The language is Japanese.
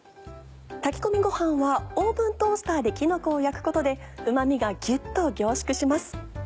炊き込みごはんはオーブントースターできのこを焼くことでうま味がギュっと凝縮します。